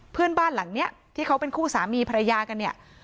บ้านหลังนี้ที่เขาเป็นคู่สามีภรรยากันเนี่ย